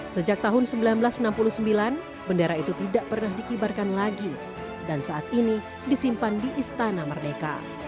sejak tahun seribu sembilan ratus enam puluh sembilan bendera itu tidak pernah dikibarkan lagi dan saat ini disimpan di istana merdeka